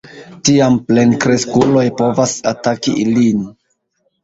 Tiam plenkreskuloj povas ataki ilin.